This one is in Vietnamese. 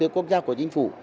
cũng như quốc gia của chính phủ